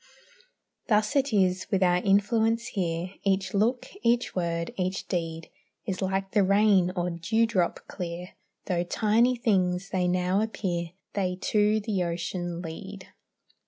Thus is it with our influence here; Each look, each word, each deed, Is like the rain, or dewdrop clear Though tiny things they now appear, They to the ocean lead.